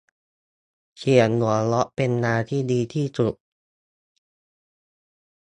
เสียงหัวเราะเป็นยาที่ดีที่สุด